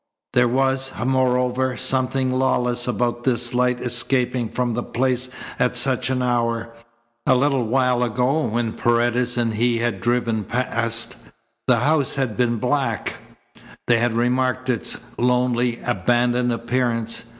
There was, moreover, something lawless about this light escaping from the place at such an hour. A little while ago, when Paredes and he had driven past, the house had been black. They had remarked its lonely, abandoned appearance.